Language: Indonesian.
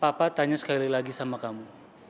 papa tanya sekali lagi sama kamu